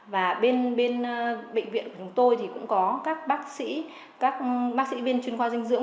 và bên bên của chúng tôi thì cũng có các bác sĩ các bác sĩ viên chuyên khoa dinh dưỡng